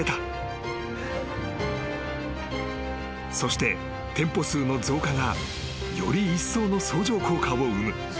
［そして店舗数の増加がよりいっそうの相乗効果を生む］